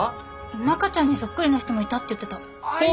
中ちゃんにそっくりな人もいたって言ってた。